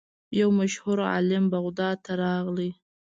یو مشهور عالم بغداد ته راغی.